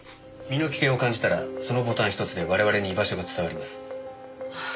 身の危険を感じたらそのボタン１つで我々に居場所が伝わります。